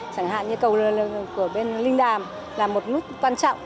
chẳng hạn như cầu của bên linh đàm là một nút quan trọng